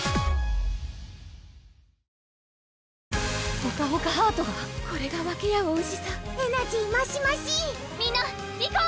ほかほかハートがこれが分け合うおいしさエナジーマシマシみんないこう！